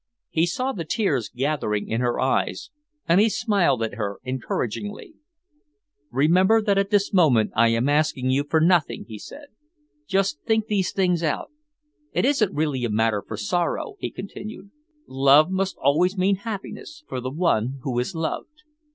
He saw the tears gathering in her eyes, and he smiled at her encouragingly. "Remember that at this moment I am asking you for nothing," he said. "Just think these things out. It isn't really a matter for sorrow," he continued. "Love must always mean happiness for the one who is loved."